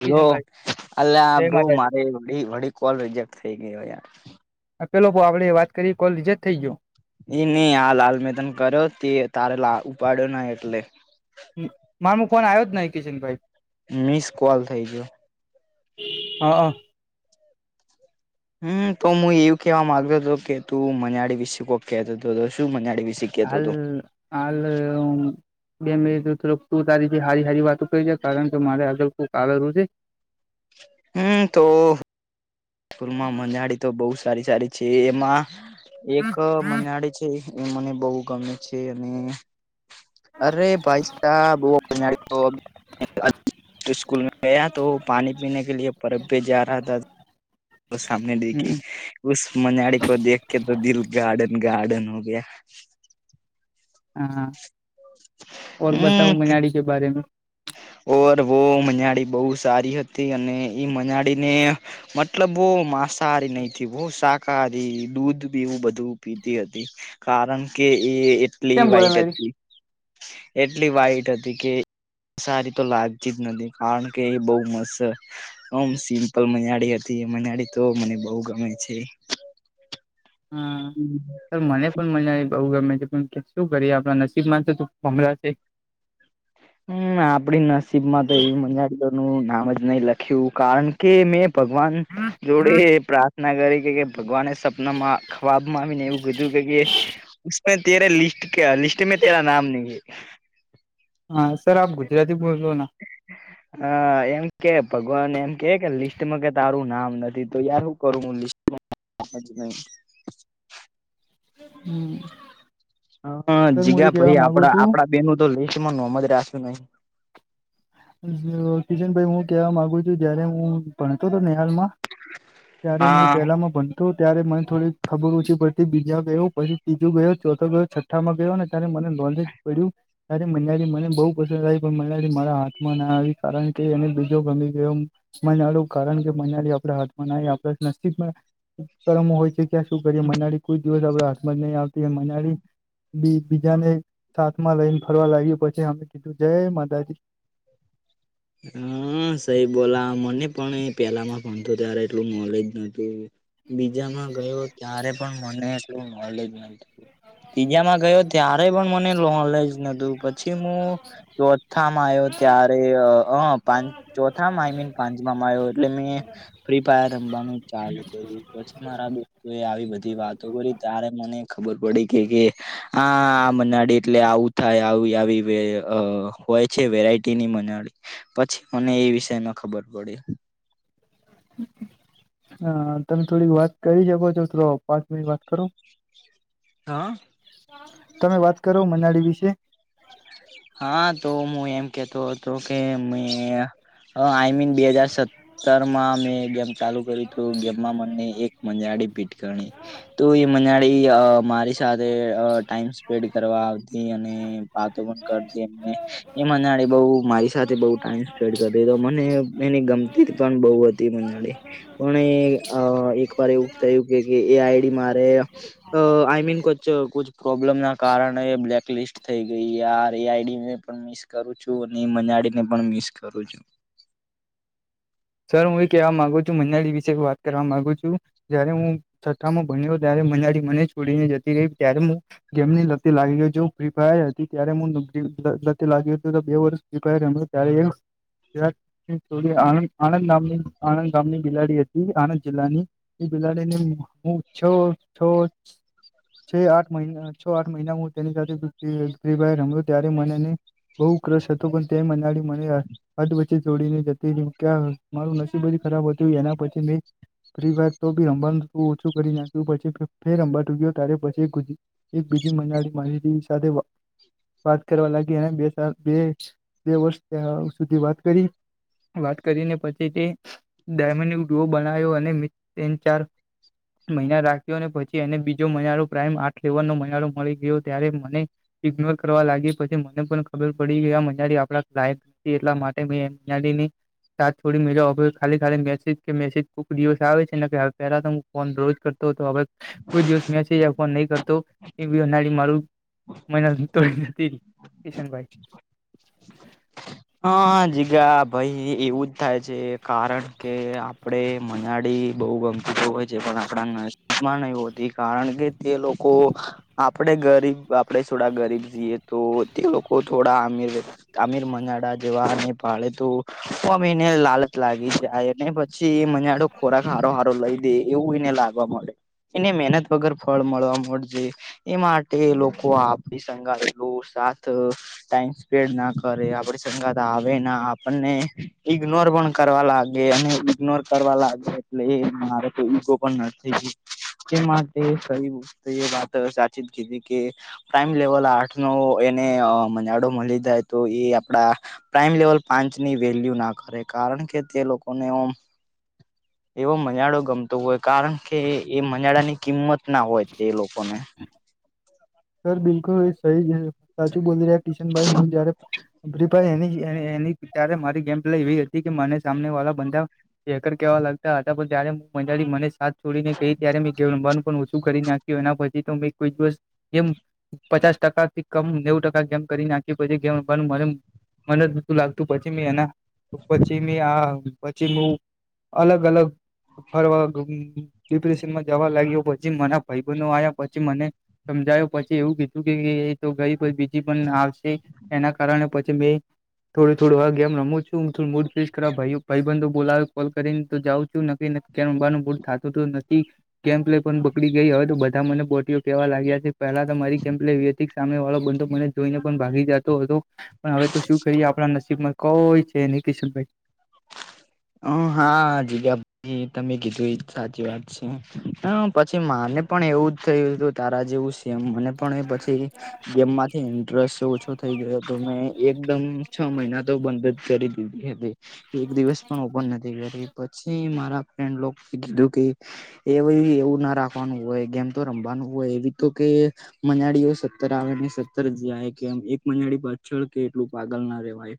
હાલો કિશનભાઈ અલ્યા જય બ્રુ માતાજી મારે વડી કોલ રિજેક્ટ થઈ ગયો યાર પેલો આપડે વાત કરી કોલ રિજેક્ટ થઈ ગયો. એ નહી આ લાલ મેતન કર્યો તે તારે લા ઉપાડ્યો ના એટલે મારમ ફોન આવ્યો જ નહી કિશન ભાઈ મિસ કોલ થઇ ગયો હા હ હમ તો હું એવું કેવા માગતો હતો કે તું મનાળી વિસે કોક કેતો હતો શું મનળી વિશ હાલ હાલ બે મિનિટ થોડકું તું તારી છે હારી હારી વાત ક કારણ કે મારે આગળ કોક આવેલું છે. હમ તો થુરમાં મનાડી તો બહુ સારી સારી છે એમાં એક મજડી છે એ મને બહુ ગમે છે અને અરે ભાઈસાબ [unintelligible] તો સ્કૂલ મે ગયા તો પાણી પીને કે લીયે પરબ પે જા રહા હતા તો સામને દેખે હમ ઉસ મનાળી કો દેખ કે તો દિલ ગાર્ડન ગાર્ડન હો ગયા હા હા ઓર હમ બતાવ કે મનાડી બારે મે ઓરવો મનાડી બહુ સારી હતી અને ઈ મનાડી ને મતલબ વો માંસાહારી નહીં થી શાકાહારી દૂધ બી એવું બધું પીતી હતી કારણ કે એ એટલી કેમ બોલે વાઈટ મારી હતી એટલી વાઈટ હતી કે સારી તો લાગતી જ નથી કારણ કે એ બહુ મસ્ત હમ સિમ્પલ મનાળી હતી એ મનાળી તો મને બહુ ગમે છે. હા હમ સર મને પણ મનાડી બહુ ગમે છે શું કરીએ આપણા નસીબમાં [unintelligible] હમ આપડી નસીબ માં તો એવી મંનાળી ઓનું નામ જ નહી લખ્યું કારણ કે મેં ભગવાન જોડે પ્રાર્થના કરી કે ભગવાને સપનામાં ખવાબ માં આવીને એવું કીધું કે મે તેરે લિસ્ટ ક્યાં લિસ્ટ મે તેરા નામ નહીં હા સર આપ ગુજરાતી બોલજો ના હ એમ કે ભગવાન એમ કે કે લિસ્ટમાં કે તારું નામ નથી તો યાર શું કરું હું લિસ્ટ [unintelligible] હમ હ જીગા ભાઈ આપડા છું આપડા બેનુ તો લિસ્ટ મા નોમજ રાખ્યું નહી કિશન ભાઈ હું કવા માંગુ છું જયારે હું ભણતો હતો નેહાલ માં ત્યારે હું હા પેલામાં ભન તો ત્યારે મને થોડી ખબર ઓછી પડતી બીજા ગયો પછી ત્રીજું ગયો ચોથો ગયો છ ઠામાં ગયો ને ત્યારે મને નોલેજ પડ્યું ત્યારે મીનાડી મને બહુ પસંદ આવી પણ મીનાડી મારા હાથ મા ના આવી કારણ કે એને બીજો ગમી ગયો [unintelligible] કારણ કે મીનાળી આપણા હાથમાં ના આવી આપણા નસીબમાં કરમો હોય છે કેયાં શું કરીએ મનાળી કોઈ દિવસ આપણે હાથમાં જ નહી આવતી મનાળી બી બીજાને સાથમાં લઈને ફરવા લાગ્યું પછી અમે કીધું જય માતાજી હા સઈ બોલા મને પણ એ પેલામાં ભણતો ત્યારે એટલું નોલેજ નોતું બીજામાં ગયો ત્યારે પણ મને એટલું નોલેજ નોતુ ત્રીજામાં ગયો ત્યારે પણ મને નોલેજ નતું પછી હું ચોથામાં આવ્યો ત્યારે અ હ પાંચ ચોથામાં આઈમીન પાંચમામાં આવ્યો એટલે મેં ફ્રી ફાયર રમવાનું ચાલુ કર્યું પછી મારા દોસ્તો એ આવી બધી વાતો કરી ત્યારે મને ખબર પડી કે કે હા આ મનાળી એટલે આવું થાય આવી આવી વે અ હોય છે વેરાયટીની મનાળી પછી મને એ વિષય ન ખબર પડી હા તમે થોડીક વાત કરી શકો છો તો પણ પાંચ મિનિટ વાત કરુ હા તમે વાત કરો મનાળી વિશે હા તો હું એમ કેતો હતો કે મે અ આઈમીન બે હજાર સત્તર માં મેં ગેમ ચાલુ કર્યુ તુ ગેમમાં મને એક મંજાડી ભીટ ગણી તો એ મંજાડી મારી સાથે અ ટાઈમ સ્પેન્ડ કરવા આવતી અને વાતો પણ કરતી એમને એ મનાડી બહુ મારી સાથે બહુ ટાઈમ સ્પેડ કરીતી તો મને એ એની ગમ. તી પણ બહુ હતી મનાડી. પણ એ અ એકવાર એવું કય્યું કે એ આઈડી મારે અ આઈ મીન કોચ કુછ પ્રોબ્લેમ ના કારણે બ્લેક લિસ્ટ થઈ ગઈ યાર તે આઇડી ને પણ મિસ કરું છું અને મનાડીને પણ મિસ કરું છું. સર હું એ કહેવા માગુ છું મનાડી વિશે વાત કરવા માગુ છું. જયારે હું છથ્થામાં ભણયો ત્યારે મનાડી મને છોડીને જતી રહી ત્યારે મુ ગેમની લતે લાગી ગયો જો ફ્રી ફાયર હતી ત્યારે હું લતે લાગી તો બે વર્ષ પ એણ તરે શરાટ ચોલી આનંદ [inaudible] આણંદ નામની આણંદ ગામની બિલાડી હતી આણંદ જિલ્લાની એ બિલાડી ને હું છ છ છે આઠ મહિના છ આઠ મહિના હું તેની સાથે ફી ફાયર રમયો ત્યારે મનેને બહુ ક્રશ હતો પણ તે મનાડી મને અ અઘ્ઘ વચ્ચે જોડીને જતી રી ક્યા મારું નસીબ જ ખરાબ હોતી હોય એના પછી મે ફી ફાયર તો બી રમનું ઓછું કરી નાખ્યું પછી ફ ફેર રમબા તૂ ગયો ત્યારે પછી એક બીજી મનાડી મારી બી સાથે વા વાત કરવા લાગી અને બે સાલ બે બે વર્ષ ત્યાં સુધી વાત કરી વાત કરીને પછી તે ડાયમંડ ગુ બનાવ્યો અને તેન ચાર મહિના રાખ્યો અને પછી એને બીજો મહીયાળુ પ્રાઈમ આઠ લેવલ નો મહિયાળુ મળી ગયું ત્યારે મને ઇગ્નોર કરવા લાગી પછી મને પણ ખબર પડી કે આ મજાડી આપડા લાયક એટલા માટે મેં લાડીલી સાત થોડી મજા ખાલી ખાલી મેસી કે મેસી કુકડીસ આવે છે ને પેલા તો ફોન રોજ કરતો હતો હવે કોઈ દિવસ મેશેજ યા ફોન નહી કરતો એવી મનાડી મારુ. મનાલી તો જતી રી કિશન ભાઈ હા જીગા ભાઈ એવું જ થાય છે કારણ કે આપડે મનાડી બહુ ગમતી હોય છે પણ આપણા નસીબ નઈ હોતી કારણ કે તે લોકો આપણેે ગરીબ આપણે થોડા ગરીબ જીએ તો તે લોકો થોડા અમીર તામીર મનાડા જેવા અને પાળે તુ હમ એને લાલચ લાગી છે એને પછી મનાડો ખોરાક હારો સારો લઈ દે એવું એને લાગે વ મળે એને મહેનત વગર ફળ મળવા મળજે. એ માટે લોકો આપણી સંંગાલો સાથ ટાઈમ સ્પેન્ડ ના કરે આપડે હંગાદ આવે ના આપણને ઈગ્નોર પણ કરવા લાગે અને ઈગ્નોર કરવા લાગે એટલે ઈ મારે તો ઈગો પણ નજીક તે માટે કઈ એ વાત સાચી જ કીધી કે પ્રાઈમ લેવલ આર્ટ નો એને મજાડો મળી જાય તો એ આપડા પ્રાઈમ લેવલ પાંચ ની વેલ્યુ ના કરે કારણ કે તે લોકોનેમ એવો મજાડો ગમતો હોય કારણ કે એ મજાડા ની કિંમત ના હોય તે એ લોકોને સર બિલકુલ સહી સાચું બોલ રહ્યા કિશનભાઈ હું જયારે [unintelligible] એની ત્યારે મારી ગેમ પ્લે એવી હતી કે મને સામને વાળા બાધા હેકર કેવા લાગતા હતા પણ જયારે હું મંજાડી મને સાથ છોડીને ગઈ ત્યારે મેંંબર પણ ઓછું કરી નાખ કહ્યું કેના પછી તો મેં કોઈ ખુશ જેમ પચાસ ટકા થી કમ નેવ ટકા ગમ કરીને આખી પણ મને મને જ બધું લાગતું પછી એના પછી આ પછી અલગ અલગ ફરવા ડિપ્રેશનમાં જવા લાગ્યો પછી મરા ભાઈ બનો આવ્યા પછી મને સમજાયો પછી એવું કીધું કે એ તો ગઈ બીજી પણ આવશે એના કારણે પછી મે થો થો વા ગમ રમું છું ફ ભય બંધ બોલાવે કોલ કરીને તો જાઉં છું નગીને કેનુ બનું બૂટ થતુંનથી કેમ્પ લઈ પણ બકડી ગઈ હય તો બધા મને પોટઓ કેવા લાગ્યા છે પહેલા તો મારી કેમ્પ લ વ્યિક સામે વાળો બંધો મને જોઈને પણ ભાગી જતો હતો પણ હવે તો શું કરીએ આપણા નસીબમાં કોઈ છે નિકશનભાઈ હ હા જજ એ તમે કીધું એ સાચી વાત છે હ પછી માને પણ એવું જ થયું હતું તારા જેવું છ. એમ મને પણ એ પછી ગેમમાંથી ઇન્ટરેસ્ટ ઓછો થઇ ગયો તો મેં એકદમ છ મહિના તો બંધ જ કરી દીધું એક દિવસ પણ ઓપન નથી કરી પછી મારા ફ્રેન્ડ લોકો કીધું કે એવું એ એવું ના રાખવાનું હોય ગેમ તો રમવાનું હોય એવી તો કે માળીઓ સત્તર આવે ને સત્તર જાય કેમ એક મનાળ પાછળ કે એટલું પાગલ ના રહેેવાય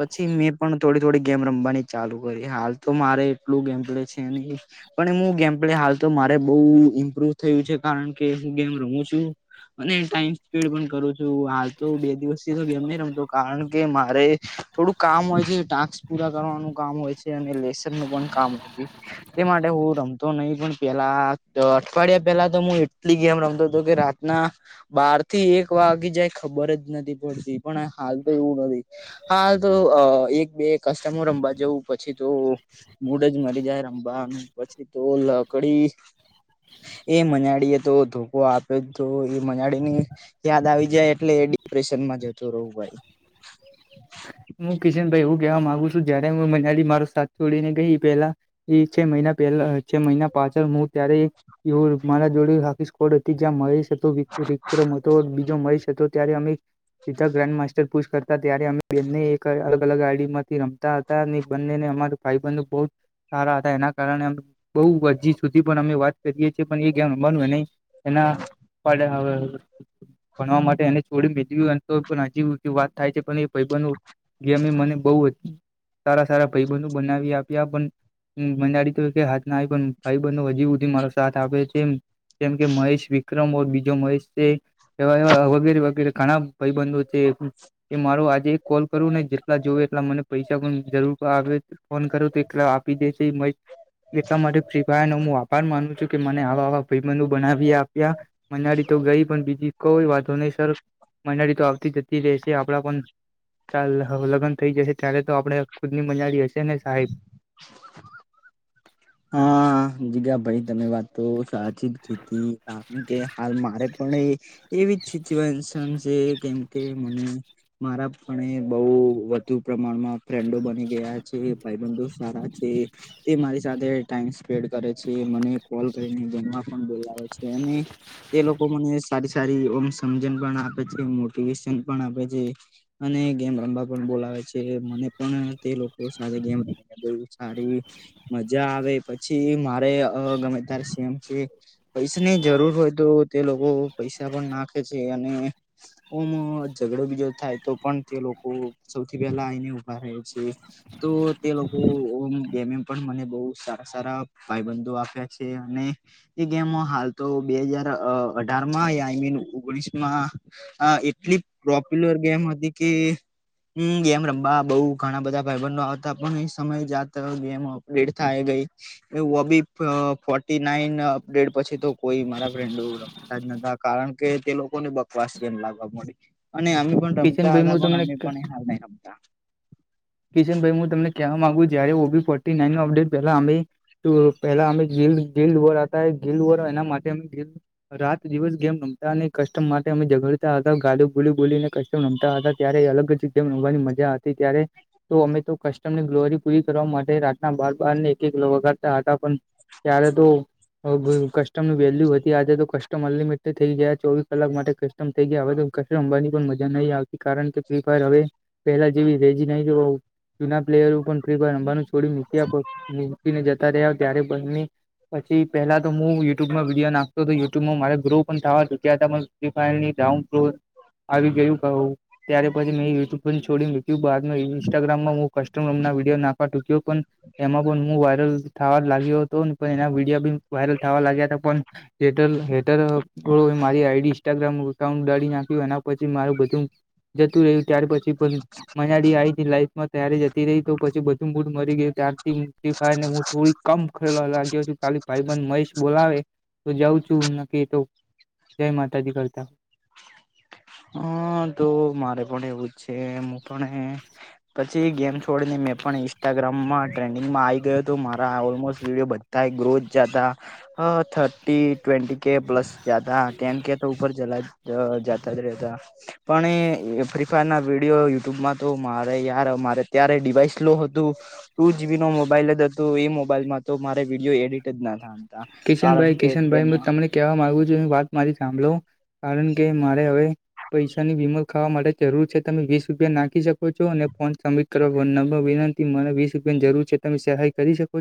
પછી મેં પણ થોડી થોડી ગેમ રમવાની ચાલુ કરી હાલ તો મારે એટલું ગેમપડે છે ને પણ હું ગેમ પડે હાલ તો મારે બઉ ઇમ્પ્રુવ થયું છે કારણ કે હું ગેમ રમું છું. અને ટાઈમ સ્પીડ પણ કરું છું હાલ તો બે દિવસ થી તો ગેમ નહી રમતો કારણ કે મારે થોડુંક કામ હોય છે ટાસ્ક પૂરા કરવાનું કામ હોય છે અને લેસન નું પણ કામ હોય છે. તે માટે હું રમતો નહી પણ પેલા અઠવાડિયા પેલા તો હું એટલી ગેમ રમતો હતો કે રા ના બાર થી એક વા વાગી જાય ખબર જ નથી પડતી પણ હાલ તો એવું નથી હાલ તો એક બે કસ્ટમર અંબા જવું પછી તો મૂડ જ મરી જાય રમવાનું પછી તો લકડી એ મનાડી એ તો ધોકો આપે તો એ મનાડીની યાદ આવી જાય એટલે એ ડિપ્રેશન માં જતું રહવું ભાઈ હું કિશન ભાઈ હું કહેવા ગુ છું જય્યારે હું મનાી મારો સાથ છોડીને ગઈ પેલા એ છે મહિના પહેલા છે મહિના પાછળ હું ત્યારે એવું મારા જોડ હાખી સ્કોવડ હતી જ્યા મહેશ વિક્રમ હતો બીજો મષ હતો ત્યારે અમે સીધા ગ્રાન્ડ માસ્ટર પુ ત્યારે અમે બને એક અલગ અલગ ગાડી માંથી રમતા હતા અને બંનેને અમારું ભાઈ બંધ બહ સારા હતા એના કારણે બહુ હજી સુધી પણ અમે વાત કરી છી એ ગેમ બન હોય ન એના ભણવા માટે એને છોડી મેલ્યું તો પણ હજી વાત થાય છે પણ એ ભાઈબનો ગેમે મને બહ સારા સારા ભાઈબનો બનાવી આપ્યા પણ મંડી તો હાથ ના પણ ભાઈ બંધ હજી બધી મારો સાથ આપ છે. જેમ કે મહેશ વિક્રમર બીજો મહેશ વગેરે વગેરે ઘણા ભાઈબંધો છે, એ મારો આજ કોલ કરું ને જેટલા જો એટલા મને પૈસા પણ જરૂર આવે ફોન કરો તો એટલે આપી દે છે મ એટલા માટે ફ્રી ફાયરનો હું વાભાર માન છુ, કે મને આવા મ બનાવી આપ્યા મનાડી તો ગઈ પણ બીજી કોઈ વાંધો નહી સર મહિનારી તો આવતી જતી રહેશે આપડા પણ ચાલ લગ્ન થઈ જશે ત્યારે તો આપડણે ખુદ ની મનાડી હશે ને સાહેબ હા. જીગા ભાઈ તમે વાત તો સાચી કીધી કે હાલ મારે પણ એ એવી જ સીચવનસન જે કેમ કે મને મારા પણ બહ વધુ પ્રમાણમાં ફ્રેન્ડો બની ગયા છે ભાઈબંધો સારા છે. તે મારે ટાઈમ સ્પેડ કરે છે મને કોલ કરીને જમવા પણ બોલાવે છે અને તે લોકો લોકો મને સારી સારી ઓમ સમજણ પણ આપે છે મોટિવેશન પણ આપે છે. અને ગેમ રમવા પણ બોલવે છે મને પણ તે લોકો સાથે ગમ બ સારી મજા આવે પછી, મારે ગમે ત્યારે સેમ કે પૈસા ની જરૂર હોય તો તે લોકો પૈસા પણ નાખે છે અને ઓમ ઝઘડો બીજો થાય તો પણ તે લોકો સૌથી પેલા આને ઉભા રહે છે. તો તે લોકો જેમ એમ પણ મને બહ સારા સારા ભાઈબંધો આપ્યા છે અને એ ગેમો હાલ તો બે હજાર અઢારમાં આઈ મીન ઓગણીસમા આ એટલી પોપ્યુલર ગેમ હતી કે હમ ગેમ રમવા બઉ ઘણા બધા ભાઈ, બંધો આવતા પણ એ સમય જાતા ગેમ રેડ થાય ગઈ એવ બી ફોટી નાઈન અપડેટ પછી તો કોઈ મારા ફ્રેન્ડવ જ ન કારણ કે તે લોકો ને બકવાસ ગેમ લાગવા મળડી અને એમ પણ રમતા કિશનભાઈ હતા, હું પણ તમને અમે પણ હાલ નહી રમતા. કિશન ભાઈ હુ તમને કહેવા માંગુ જય્યારે O B forty nine update પલા અમે તો પેલા અમે ગીલ ગીલ વર હતા ગિલ વર એના માટેમે ગીલ રાત દિવસ ગેમ રમતા અને કસ્ટમ માટે અમે ઝઘડતા હતા ગાડુ બોલી બોલીને ક રમતા હતા ત્યારે અલગ જ જેમ રમવાની મજા હતી ત્યારે તો અમે તો કસ્ટમની ગ્લોરી પૂરી કરવા માટે રાતના બાર બાર ને એક એક વગાડતા હતા પણ ત્યારે તો કસ્ટમનુંની વેલ્યુ વધી આજે તો કસ્ટમ અનલિમિટે થઈ ગયા ચોવીસ કલાક માટે થઈ ગયા હય તો ક રમવાની પણ મ જા નહીં આવતી કારણ કે ફ્રી ફાયર હવે પહેલા જેવી રેજી નહીં જૂના પ્લેયરો પણ આફ્રિકા લમવાનુ, છોડી મૂક મૂકીને જતા રહ્યા ત્યારે બંને પછી પેલા તો યુટ્યુબમાં વિડીયો નાખતો હતો યુટ્યુબમાં મારે ગ્રો પણ થવા ચુક્યા હતા ની ડાઉન ફ્લો આવી ગયુ. ત્યારે પછી મેં યુટ્યુબ છોડી મક્યું બાદ મે ઈન્સ્ટાગ્રામમાં હુ કસ્ટમ રૂમ ના વિડીયો નાફા ટૂક્યો પણ એમાં પણ હુ, વાયરલ થવા લાગ્યો હતો પણ એના વિડીયો બી વાયરલ થવા લાગ્યા હતા પણ હેટલ હેટર મારી આઈડી ઇન્સ્ટાગ્રામ એકાઉન્ટ ઉડાડી નાખ્યું એના પછી માર ત જતુ રહ્યુ, ત્યાર પછી પણ મજાડી આવી લાઈફમાં ત્યારે જતી રહી, તો પછી બધું મૂડ મરી ગયું ત્યારથી ફ્રીફાય ને હુ, થોડી કમ ખેલવા લાગ્યો ખાલી ભાઈબંધ મહેશ બોલાવે તો જાઉ છુન જય માતાજી કરતા હ તો મારે પણ એવું છે, હુ પણ પછી ગેમ છોડીને મે પણ ઇન્સ્ટાગ્રામમા ટ્રેન્ડિંગમા આવી ગયો હતો, મા ઓલમોસ્ટ વિડીયો બધતા ગ્રોથ જતા થર્ટી ટ્વેન્ટ કે પ્લસ જાતા કેન કે તો ઉપર ચલા જાતા જ રહેતા. પણ એ ફ્રી ફાયર ના વિડીયો યુટ્યુબમાં તો મારે યાર મારે ત્યારે ડિવાઈસ સ્લો હતું. ટુ જીબી નો મોબાઈલ જ હતો એ મોબાઈલમાં તો મારે વિડીયો એડિટ જ ના થાય. કારણ કિશનભાઈ કે કિશનભાઈ હું તેમાં તમને કહેવા માગવું છું વાત મારી સાંભળો કારણ કે મારે હવે પૈસાની વિમલ ખાવા માટે જરૂર છે તમે વીસ રૂપિયા નાખી શકો છો અને ફોન સમ [unintelligible] વિનંતી મારે વીસ રૂપિયાની જરૂર છે તમે સહાય કરી શકો છો.